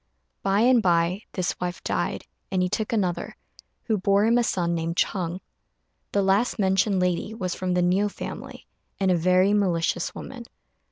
By and by this wife died, and he took another, who bore him a son named Ch'êng. The last mentioned lady was from the Niu family, and a very malicious woman.